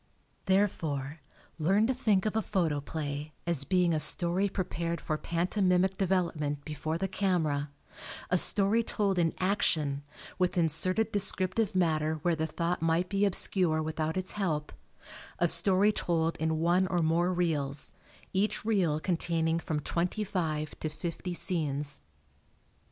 Therefore, learn to think of a photoplay as being a story prepared for pantomimic development before the camera; a story told in action, with inserted descriptive matter where the thought might be obscure without its help; a story told in one or more reels, each reel containing from twenty five to fifty scenes.